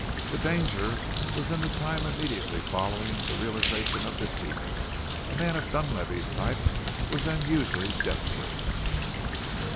The danger was in the time immediately following the realization of defeat. A man of the Dunlavey type was then usually desperate.